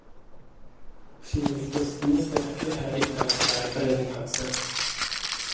Příležitostně zde také hraje Italská reprezentace.